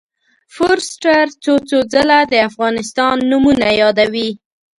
فورسټر څو څو ځله د افغانستان نومونه یادوي.